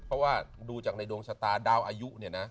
เพราะว่าดูจากในดวงชะตาดาวอายุเนี่ยนะ